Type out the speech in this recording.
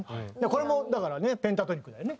これもだからねペンタトニックだよね。